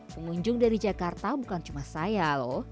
pengunjung dari jakarta bukan cuma saya loh